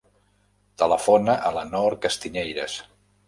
Telefona a la Noor Castiñeiras.